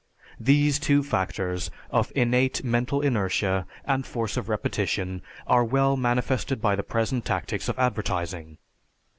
These two factors, of innate mental inertia and force of repetition, are well manifested by the present tactics of advertising.